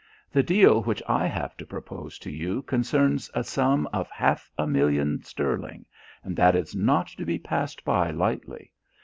The deal which I have to propose to you concerns a sum of half a million sterling, and that is not to be passed by lightly.